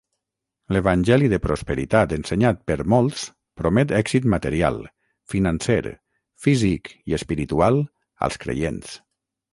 L'evangeli de prosperitat ensenyat per molts promet èxit material, financer, físic i espiritual als creients.